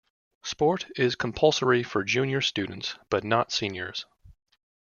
Sport is compulsory for junior students but not seniors.